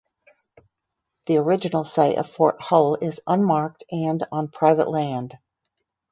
The original site of Fort Hull is unmarked and on private land.